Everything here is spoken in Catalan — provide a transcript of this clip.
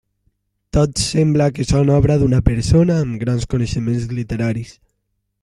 Tots sembla que són obra d'una persona amb grans coneixements literaris.